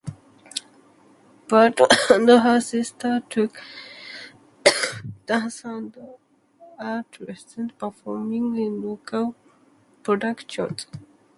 Burton and her sister took dance and art lessons, performing in local productions.